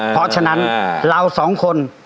เพราะฉะนั้นเราสองคน